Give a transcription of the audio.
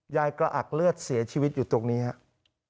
กระอักเลือดเสียชีวิตอยู่ตรงนี้ครับ